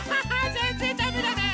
ぜんぜんだめだね。